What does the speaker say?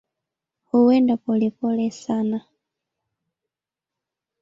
Huenda polepole sana.